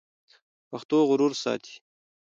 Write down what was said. پښتو غرور ساتي.